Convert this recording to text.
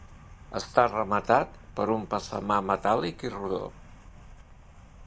Està rematat per un passamà metàl·lic i rodó.